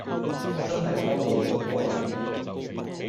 真係幫到好多人